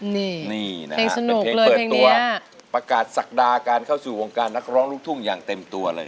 นี่นี่นะฮะเป็นเพลงเปิดตัวประกาศศักดาการเข้าสู่วงการนักร้องลูกทุ่งอย่างเต็มตัวเลย